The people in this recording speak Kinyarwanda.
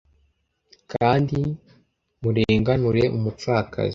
kandi murenganure umupfakazi